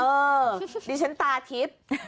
เออดิฉันตาทิศ